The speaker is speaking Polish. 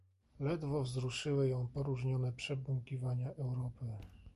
Ledwo wzruszyły ją poróżnione przebąkiwania Europy